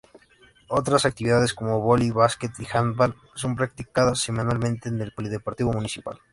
Otras actividades como Voley, Basquet y Handball son practicadas semanalmente en el Polideportivo Municipal.